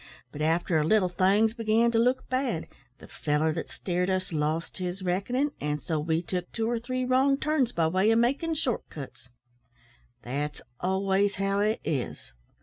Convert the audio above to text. But after a little things began to look bad; the feller that steered us lost his reckoning, an' so we took two or three wrong turns by way o' makin' short cuts. That's always how it Is.